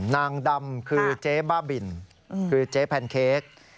นางดำคือเจ๊บ้าบินคือเจ๊แพนเค้ก